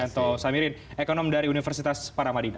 dan terima kasih juga pak anom dari universitas paramadina